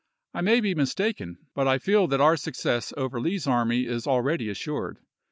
I may be mistaken, but I feel that our success over Lee's army is al ready assured.